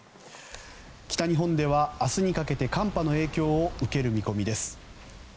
北日本では明日にかけて寒波の影響を受ける見込みです。